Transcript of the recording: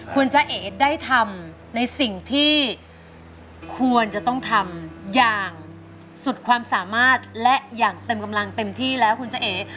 คุณจ้าเอ๋ได้ทำในสิ่งที่ควรจะต้องทำอย่างสุดความสามารถและอย่างเต็มกำลังเต็มที่แล้วคุณจ้าเอ๋